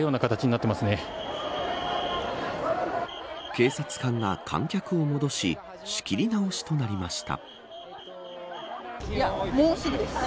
警察官が観客を戻し仕切り直しとなりました。